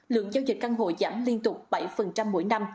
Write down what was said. lượng giao dịch căn hộ giảm liên tục bảy mỗi năm